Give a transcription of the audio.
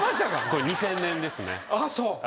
これ２０００年ですね。